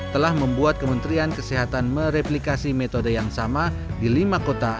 telah membuat kementerian kesehatan mereplikasi metode yang sama di lima kota